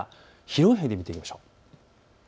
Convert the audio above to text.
広い範囲で見ていきましょう。